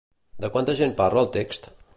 De quanta gent parla el text?